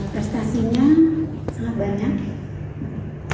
prestasinya sangat banyak